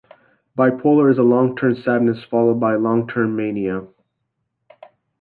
Bipolar is long-term sadness followed by long-term mania.